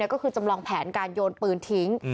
ก็คือจำลองแผนการโยนปืนทิ้ง